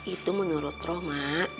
itu menurut ro ma